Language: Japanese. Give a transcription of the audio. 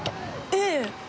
ええ。